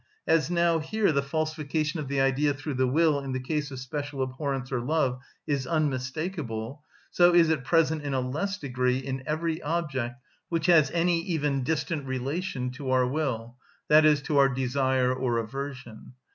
As now here the falsification of the idea through the will in the case of special abhorrence or love is unmistakable, so is it present in a less degree in every object which has any even distant relation to our will, that is, to our desire or aversion.